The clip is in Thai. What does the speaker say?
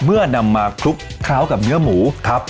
เมื่อนำมาคลุกคร้าวกับเนื้อหมูครับ